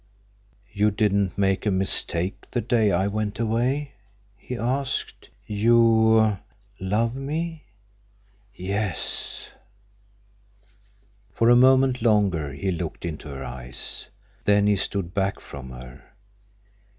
"You didn't make a mistake the day I went away?" he asked. "You—love me?" "Yes." For a moment longer he looked into her eyes. Then he stood back from her.